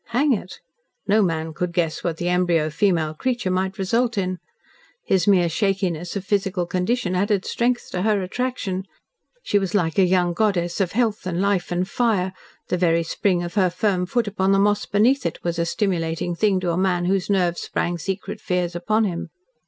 Hang it! No man could guess what the embryo female creature might result in. His mere shakiness of physical condition added strength to her attraction. She was like a young goddess of health and life and fire; the very spring of her firm foot upon the moss beneath it was a stimulating thing to a man whose nerves sprung secret fears upon him.